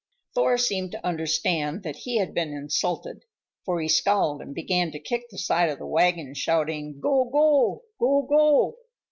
Thor seemed to understand that he had been insulted, for he scowled and began to kick the side of the wagon, shouting, "Go go, go go!"